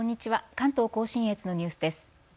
関東甲信越のニュースです。